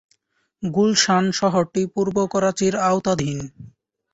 গুলশান শহরটি পূর্ব করাচির আওতাধীন।